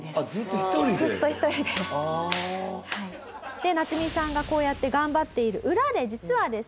でナツミさんがこうやって頑張っている裏で実はですね